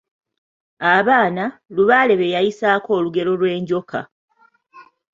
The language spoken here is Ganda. Abaana, Lubaale b'e yayisaako olugero lw'enjoka.